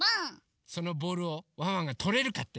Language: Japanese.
そのボールをワンワンがとれるかって？